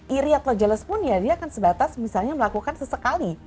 iri atau jeles pun ya dia akan sebatas misalnya melakukan sesekali